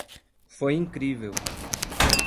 Foi incrível.